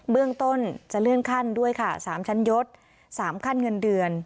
เรื่องต้นจะเลื่อนขั้นด้วยค่ะ๓ชั้นยศ๓ขั้นเงินเดือน